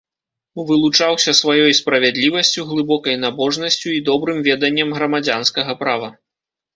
Вылучаўся сваёй справядлівасцю, глыбокай набожнасцю і добрым веданнем грамадзянскага права.